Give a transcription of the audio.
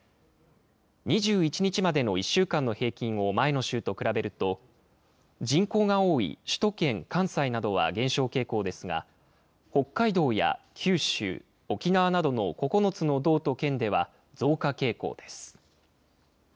２１日までの１週間の平均を前の週と比べると、人口が多い首都圏、関西などは減少傾向ですが、北海道や九州、沖縄などの９つの道と県では、増加傾向です。